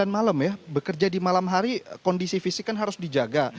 sembilan malam ya bekerja di malam hari kondisi fisik kan harus dijaga